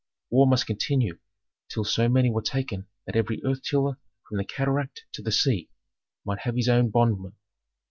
War must continue till so many were taken that every earth tiller from the cataract to the sea might have his own bondman.